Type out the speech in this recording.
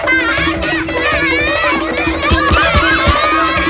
tadi disini kan ada kerdus